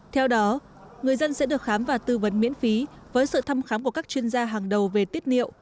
theo đó người dân sẽ được khám và tư vấn miễn phí với sự thăm khám của các chuyên gia hàng đầu về tiết niệu